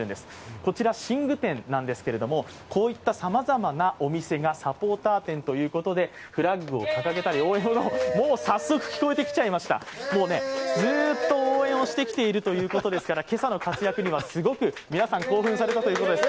こちら寝具店なんですけれどもこういったさまざまなお店がサポーター店ということでフラッグを掲げたり、もう早速聞こえてきちゃいました、ずっと応援をしてきているということですから今朝の活躍には、すごく皆さん興奮されたということです。